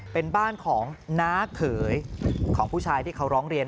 เป็นบ้านของน้าเขยของผู้ชายที่เขาร้องเรียน